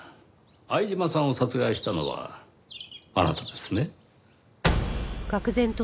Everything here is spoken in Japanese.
相島さんを殺害したのはあなたですね？